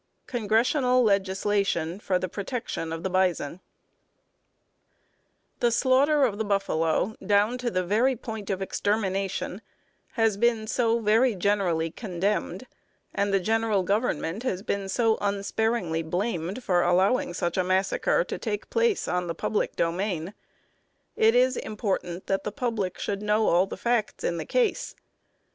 CONGRESSIONAL LEGISLATION FOR THE PROTECTION OF THE BISON. The slaughter of the buffalo down to the very point of extermination has been so very generally condemned, and the general Government has been so unsparingly blamed for allowing such a massacre to take place on the public domain, it is important that the public should know all the facts in the case.